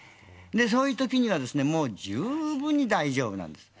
そういうときにはもう十分に大丈夫なんです。